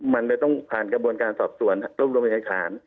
มันเลยต้องผ่านกระบวนการสอบสวนลบโดมันให้การ